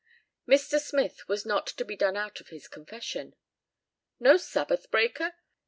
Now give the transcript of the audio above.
Mr. Smith was not to be done out of his confession. "No sabbath breaker?